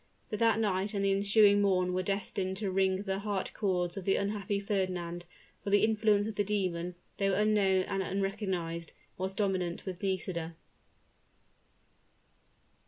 But that night and the ensuing morn were destined to wring the heart cords of the unhappy Fernand: for the influence of the demon, though unknown and unrecognized, was dominant with Nisida.